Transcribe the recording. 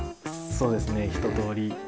そうですね一通り。